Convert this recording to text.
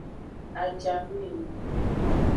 Ajanu enyi.